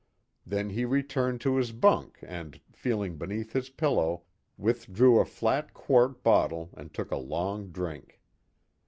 Then he returned to his bunk and, feeling beneath his pillow, withdrew a flat quart bottle and took a long drink.